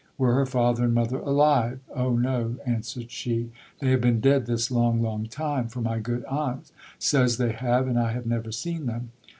Were her father and mother alive ? Oh ! no, answered she ; they have been dead this long, long time ; for my good aunt says they have, and I have never seen them.